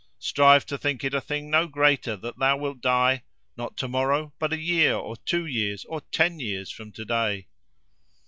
Strive to think it a thing no greater that thou wilt die—not to morrow, but a year, or two years, or ten years from to day.